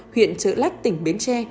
huyện trở lách tỉnh bến tre